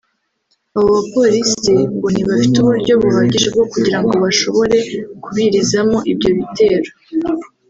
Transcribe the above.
Aba polisi ngo ntibafite uburyo buhagije bwo kugirango bashobore kubirizamo ibyo bitero